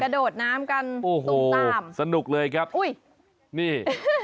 โดดน้ำกันตุ้มตามสนุกเลยครับอุ้ยนี่